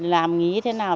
làm nghĩ thế nào